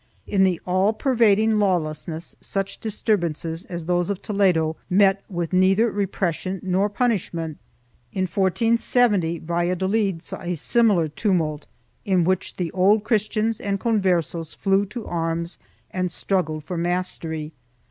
2 In the all pervading lawlessness such disturb ances as those of Toledo met with neither repression nor punish ment. In 1470 Valladolid saw a similar tumult, in which the Old Christians and Converses flew to arms and struggled for mastery.